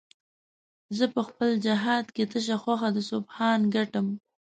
زه په خپل جهاد کې تشه خوښه د سبحان ګټم